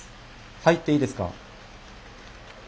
入っていいですか？